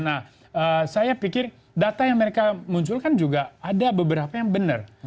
nah saya pikir data yang mereka munculkan juga ada beberapa yang benar